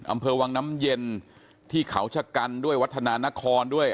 อำเภอวังน้ำเย็นที่เขาชะกันด้วยวัฒนานครด้วย